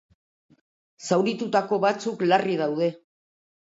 Zauritutako batzuk larri daude.